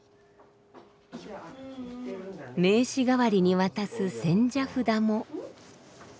名刺代わりに渡す千社札も。